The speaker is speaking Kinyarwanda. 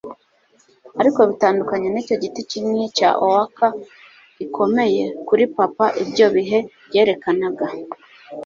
ariko bitandukanye nicyo giti kinini cya oak gikomeye, kuri papa ibyo bihe byerekanaga